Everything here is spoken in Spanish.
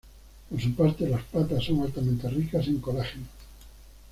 Por su parte, las patas son altamente ricas en colágeno.